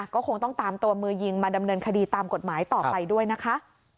ก็คงต้องตามตัวมือยิงมาดำเนินคดีตามกฎหมายต่อไปด้วยนะคะ